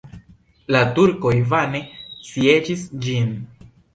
La turkoj vane sieĝis ĝin.